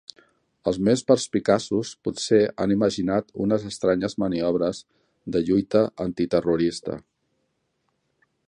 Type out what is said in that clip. Els més perspicaços potser han imaginat unes estranyes maniobres de lluita antiterrorista.